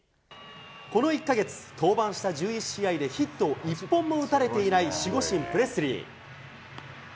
この１か月、登板した１１試合でヒットを一本も打たれていない守護神、プレスリー。